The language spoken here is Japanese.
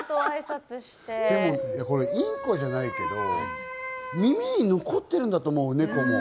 これ、インコじゃないけど、耳に残ってるんだと思う、猫も。